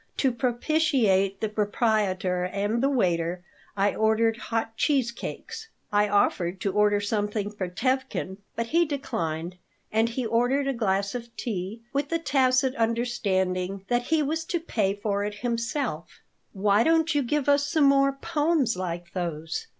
To propitiate the proprietor and the waiter I ordered hot cheese cakes. I offered to order something for Tevkin, but he declined, and he ordered a glass of tea, with the tacit understanding that he was to pay for it himself "Why don't you give us some more poems like those?"